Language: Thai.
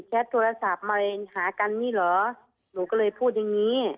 โทรศัพท์มาหากันนี่เหรอหนูก็เลยพูดอย่างนี้